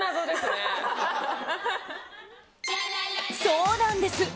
そうなんです。